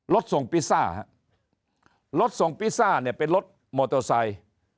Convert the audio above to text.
ส่งพิซซ่าฮะรถส่งพิซซ่าเนี่ยเป็นรถมอเตอร์ไซค์